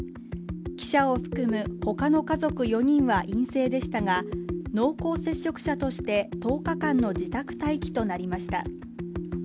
記者を含む他の家族４人は陰性でしたが濃厚接触者として１０日間の自宅待機となりました。